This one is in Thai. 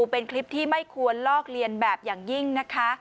เป็นคลิปที่ไม่ควรลอกเลียนแบบอย่างยิ่งนะคะ